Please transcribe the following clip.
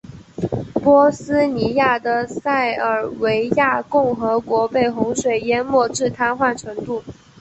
波斯尼亚的塞尔维亚共和国被洪水淹没至瘫痪程度。